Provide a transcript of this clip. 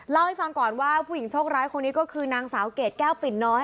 เล่าให้ฟังก่อนว่าผู้หญิงโชคร้ายคนนี้ก็คือนางสาวเกรดแก้วปิ่นน้อย